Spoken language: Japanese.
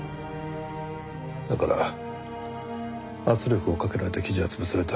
だから圧力をかけられて記事は潰された。